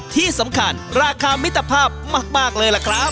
ที่สำคัญราคามิตรภาพมากเลยล่ะครับ